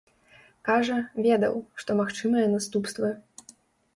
Кажа, ведаў, што магчымыя наступствы.